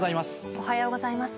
おはようございます。